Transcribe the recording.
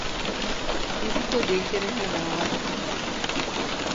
کسی کو دیکھتے رہنا نماز تھی تیری